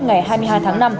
ngày hai mươi hai tháng năm